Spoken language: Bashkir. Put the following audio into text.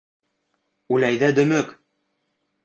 Үләйҙә, дөмөк!